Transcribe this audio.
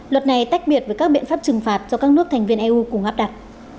luật này tách biệt với các biện pháp trừng phạt do các nước thành viên eu cùng áp đặt